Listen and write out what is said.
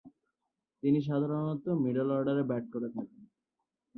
তিনি সাধারণত মিডল অর্ডারে ব্যাট করে থাকেন।